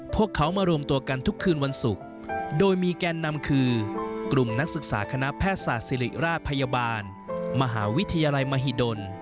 พวกเขามารวมตัวกันทุกคืนวันศุกร์โดยมีแกนนำคือกลุ่มนักศึกษาคณะแพทยศาสตร์ศิริราชพยาบาลมหาวิทยาลัยมหิดล